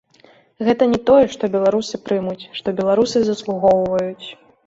Гэта не тое, што беларусы прымуць, што беларусы заслугоўваюць.